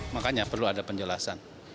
makanya perlu ada penjelasan